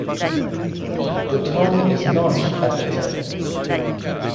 The tongue is notched at the tip.